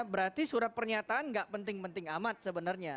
berarti surat pernyataan nggak penting penting amat sebenarnya